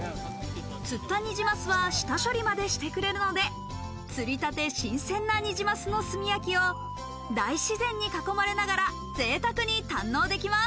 釣ったニジマスは下処理までしてくれるので、釣りたて新鮮なニジマスの炭焼きを大自然に囲まれながら、ぜいたくに堪能できます。